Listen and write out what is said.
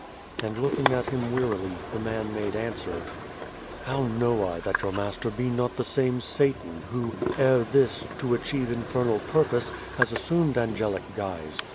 And looking at him wearily, the man made answer : "How know I that your master be not the same Satan who, ere this, to achieve infernal purpose, has assumed angelic guise